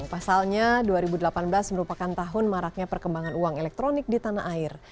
pasalnya dua ribu delapan belas merupakan tahun maraknya perkembangan uang elektronik di tanah air